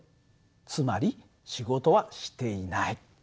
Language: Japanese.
つまり仕事はしていない。